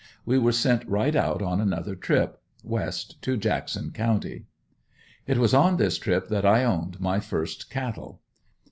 We were sent right out on another trip, west, to Jackson county. It was on this trip that I owned my first cattle.